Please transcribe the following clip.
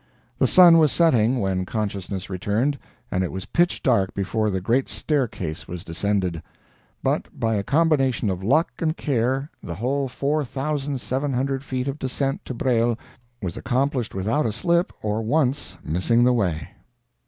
The sun was setting when consciousness returned, and it was pitch dark before the Great Staircase was descended; but by a combination of luck and care, the whole four thousand seven hundred feet of descent to Breil was accomplished without a slip, or once missing the way."